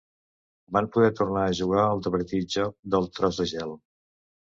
Van poder tornar a jugar al divertit joc del tros de gel.